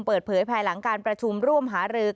เปิดเผยภายหลังการประชุมร่วมหารือ